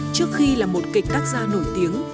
trước khi là một kịch tác gia nổi tiếng